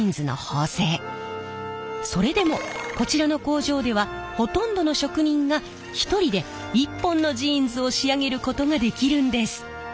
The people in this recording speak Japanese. それでもこちらの工場ではほとんどの職人が１人で１本のジーンズを仕上げることができるんです。